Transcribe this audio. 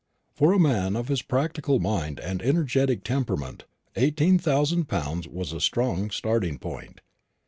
For a man of his practical mind and energetic temperament, eighteen thousand pounds was a strong starting point.